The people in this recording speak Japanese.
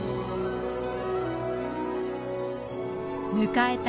迎えた